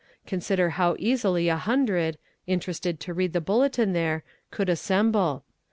Consider how easily a hundred, interested to read the bulletin there, could assemble.